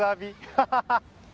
ハハハハ！